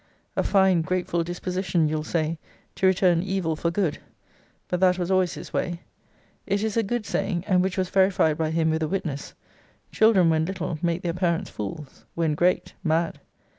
A fine grateful disposition, you'll say, to return evil for good! but that was always his way. It is a good saying, and which was verified by him with a witness Children when little, make their parents fools; when great, mad.